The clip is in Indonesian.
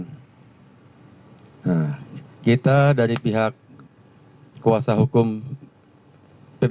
nah kita dari pihak kuasa hukum pp